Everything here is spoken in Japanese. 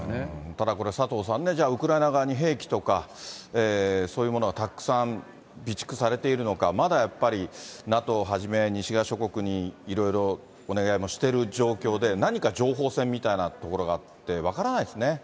ただこれ、佐藤さんね、じゃあウクライナ側に兵器とか、そういうものがたくさん備蓄されているのか、まだやっぱりＮＡＴＯはじめ西側諸国にいろいろお願いもしてる状況で、何か情報戦みたいなところがあって、分からないですね。